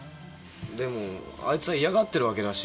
でもあいつは嫌がってるわけだし。